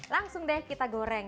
langsung deh kita goreng